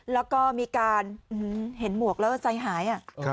แล้วก็มีการเห็นหมวกแล้วใจหาย